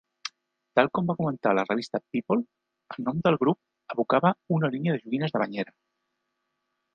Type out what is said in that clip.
Tal com va comentar la revista "People", el nom del grup evocava "una línia de joguines de banyera".